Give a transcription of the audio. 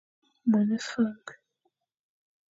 Mone Fañ,